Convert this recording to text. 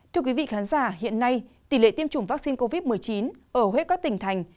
thưa quý vị khán giả hiện nay tỷ lệ tiêm chủng vaccine covid một mươi chín ở hết các tỉnh thành